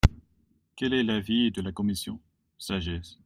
Quel est l’avis de la commission ? Sagesse.